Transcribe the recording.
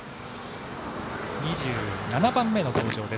２７番目の登場